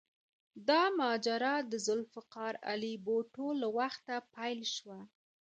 دا ماجرا د ذوالفقار علي بوټو له وخته پیل شوه.